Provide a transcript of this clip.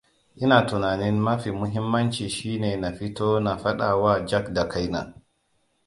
Ina tunanin mafi muhimmanci shi ne na fito na fadawa jack da kaina.